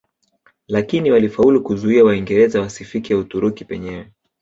Lakini walifaulu kuzuia Waingereza wasifike Uturuki penyewe